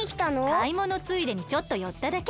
かいものついでにちょっとよっただけ。